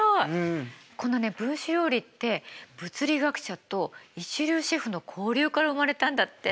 このね分子料理って物理学者と一流シェフの交流から生まれたんだって。